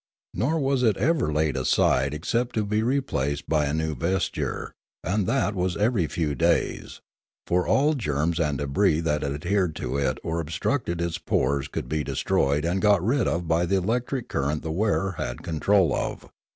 Nor was it ever laid aside except to be replaced by a new ves ture, and that was every few days; for all germs and debris that adhered to it or obstructed its pores could be destroyed and got rid of by the electric current the wearer had control of.